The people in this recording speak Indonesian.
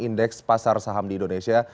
indeks pasar saham di indonesia